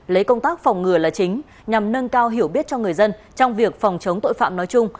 lấy công tác phòng ngừa là chính nhằm nâng cao hiểu biết cho người dân trong việc phòng chống tội phạm nói chung